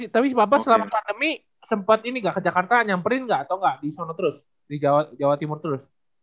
tapi bapak selama pandemi sempat ini nggak ke jakarta nyamperin nggak atau nggak di sono terus di jawa timur terus